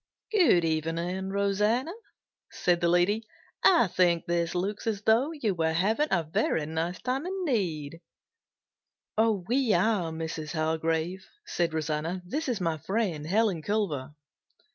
"Good evening, Rosanna," said the lady. "I think this looks as though you were having a very nice time indeed." "We are, Mrs. Hargrave," said Rosanna. "This is my friend, Helen Culver."